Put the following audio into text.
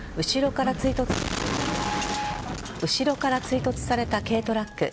後ろから追突された軽トラック。